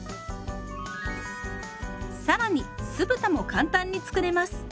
更に「酢豚」も簡単に作れます。